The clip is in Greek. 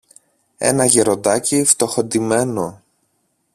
ένα γεροντάκι φτωχοντυμένο